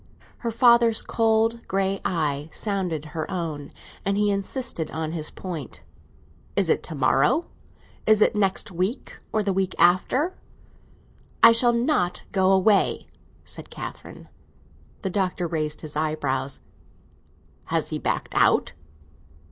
Her father's cold grey eye sounded her own, and he insisted on his point. "Is it to morrow? Is it next week, or the week after?" "I shall not go away!" said Catherine. The Doctor raised his eyebrows. "Has he backed out?"